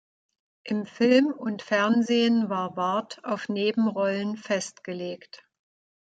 In Film und Fernsehen war Ward auf Nebenrollen festgelegt.